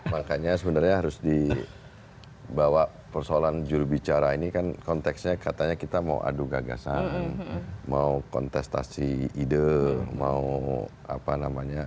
makanya sebenarnya harus dibawa persoalan jurubicara ini kan konteksnya katanya kita mau adu gagasan mau kontestasi ide mau apa namanya